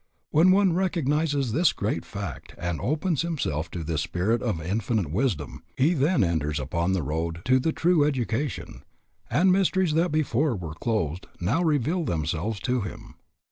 When one recognizes this great fact and opens himself to this Spirit of Infinite Wisdom, he then enters upon the road to the true education, and mysteries that before were closed now reveal themselves to him.